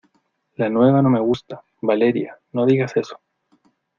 la nueva no me gusta. Valeria, no digas eso